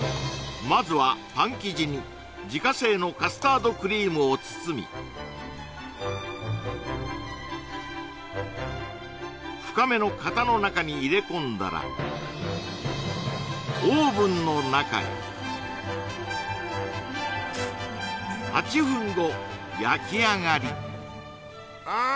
まずはパン生地に自家製のカスタードクリームを包み深めの型の中に入れ込んだらオーブンの中へ８分後焼き上がりああ